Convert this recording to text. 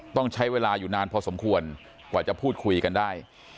ต้องใช้เวลาอยู่นานพอสมควรกว่าจะพูดคุยกันได้